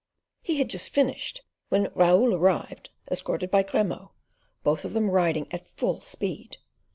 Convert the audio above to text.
He had just finished when Raoul arrived, escorted by Grimaud, both of them riding at full speed.